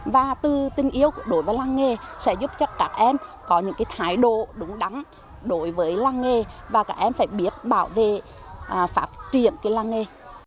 và từ tình yêu đối với làng nghề sẽ giúp cho các em có những cái thái độ đúng đắn đối với làng nghề và các em phải biết bảo vệ phát triển cái làng nghề